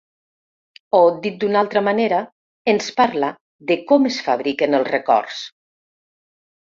O, dit d’una altra manera, ens parla de com es fabriquen els records.